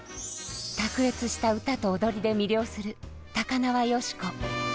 卓越した歌と踊りで魅了する高輪芳子。